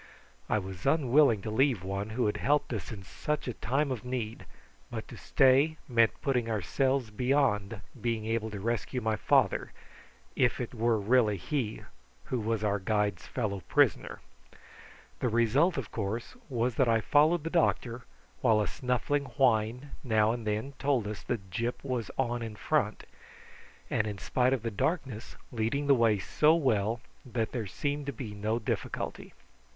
I was unwilling to leave one who had helped us in such a time of need; but to stay meant putting ourselves beyond being able to rescue my father, if it were really he who was our guide's fellow prisoner. The result, of course, was that I followed the doctor, while a snuffling whine now and then told us that Gyp was on in front, and, in spite of the darkness, leading the way so well that there seemed to be no difficulty.